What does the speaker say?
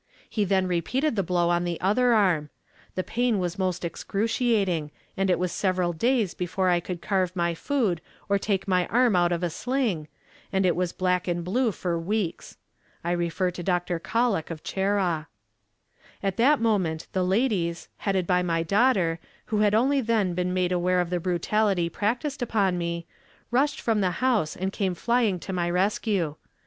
He then repeated the blow on the other arm. The pain was most excruciating, and it was several days before I could carve my food or take my arm out of a sling, and it was black and blue for weeks. (I refer to Dr. Kollock, of Cheraw.) At that moment the ladies, headed by my daughter, who had only then been made aware of the brutality practiced upon me, rushed from the house, and came flying to my rescue.